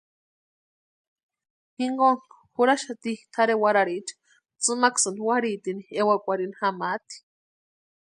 Jinkontu jurhaxati tʼarhe warhariecha tsʼïmaksïni warhitini ewakwarhini jamaati.